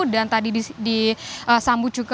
dan tadi disambut juga